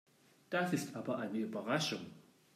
Das ist aber eine Überraschung.